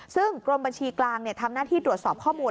ซึ่งกรมบัญชีกลางทำหน้าที่ตรวจสอบข้อมูล